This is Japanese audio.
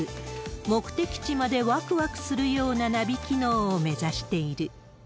目的地までわくわくするようなナビ機能を目指している。